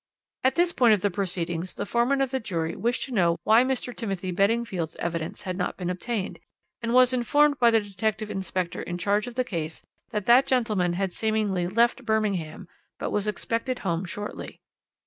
"At this point of the proceedings the foreman of the jury wished to know why Mr. Timothy Beddingfield's evidence had not been obtained, and was informed by the detective inspector in charge of the case that that gentleman had seemingly left Birmingham, but was expected home shortly.